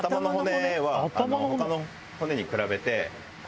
他の骨に比べて。